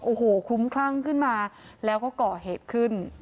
โอ้โหคลุ้มคลั่งขึ้นมาแล้วก็ก่อเหตุขึ้น